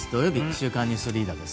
「週刊ニュースリーダー」です。